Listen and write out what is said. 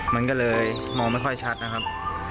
มันก็เลยมองไม่ค่อยชัดนะครับ